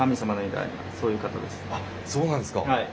そうなんですか。